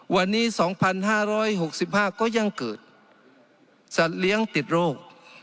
วันนี้๒๕๖๕ก็ยังเกิดสัตว์เลี้ยงติดโรค